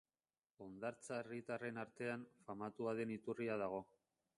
Hondartza herritarren artean, famatua den iturria dago.